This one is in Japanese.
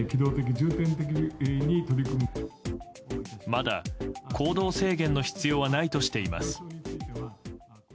まだ行動制限の必要はないとしています。